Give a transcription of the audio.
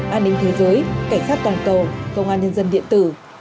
an ninh thế giới cảnh sát toàn cầu công an nhân dân điện tử